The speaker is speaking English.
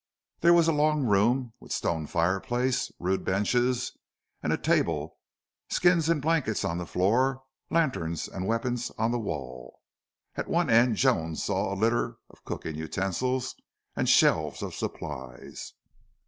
There was a long room, with stone fireplace, rude benches and a table, skins and blankets on the floor, and lanterns and weapons on the wall. At one end Joan saw a litter of cooking utensils and shelves of supplies.